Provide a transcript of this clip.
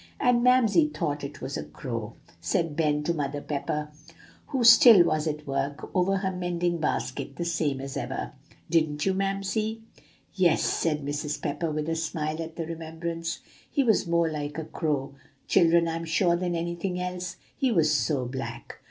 "And Mamsie thought it was a crow," said Ben to Mother Pepper, who still was at work over her mending basket the same as ever. "Didn't you, Mamsie?" "Yes," said Mrs. Pepper, with a smile at the remembrance. "He was more like a crow, children, I'm sure, than anything else, he was so black."